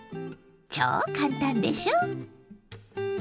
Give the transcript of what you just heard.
超簡単でしょ！